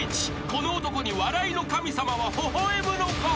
この男に笑いの神様はほほ笑むのか？］